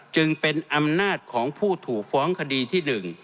จึงเป็นอำนาจของผู้ถูกฟ้องคดีที่๑